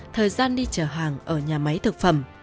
thời gian đi chở hàng ở nhà máy thực phẩm